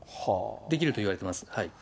できるといわれています。